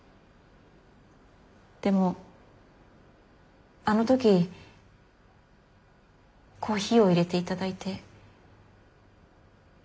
でもあの時コーヒーをいれて頂いて。